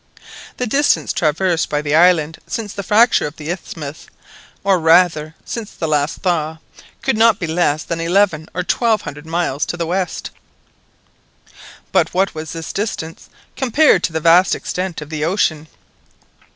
The distance traversed by the island since the fracture of the isthmus, or rather since the last thaw, could not be less than eleven or twelve hundred miles to the west. But what was this distance compared to the vast extent of the ocean?